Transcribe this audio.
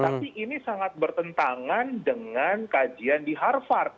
tapi ini sangat bertentangan dengan kajian di harvard